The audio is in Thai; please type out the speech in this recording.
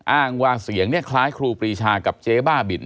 อ้างว่าเสียงเนี่ยคล้ายครูปรีชากับเจ๊บ้าบิน